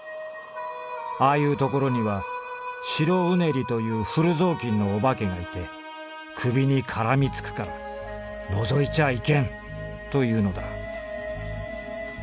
ああいうところには『白うねり』という古ぞうきんのお化けがいて首にからみつくから『のぞいちゃあいけん』というのだ」。